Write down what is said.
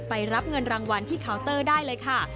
ไปรับเงินรางวัลที่เคาน์เตอร์ได้เลยค่ะ